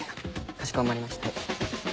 かしこまりました。